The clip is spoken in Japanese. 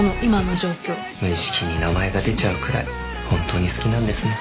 無意識に名前が出ちゃうくらいホントに好きなんですね。